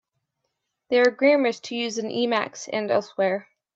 There are grammars to use in Emacs and elsewhere.